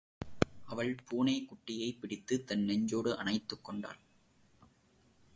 அவள் பூனைக்குட்டியைப் பிடித்துத், தன் நெஞ்சோடு அனைத்துக் கொண்டாள்.